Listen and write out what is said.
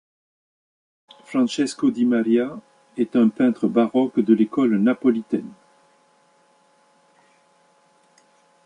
Francesco di Maria est un peintre baroque de l'école napolitaine.